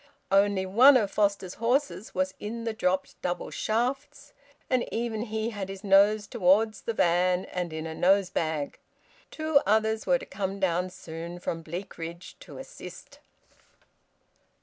Only one of Foster's horses was in the dropped double shafts, and even he had his nose towards the van, and in a nosebag; two others were to come down soon from Bleakridge to assist.